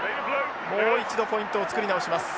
もう一度ポイントを作り直します。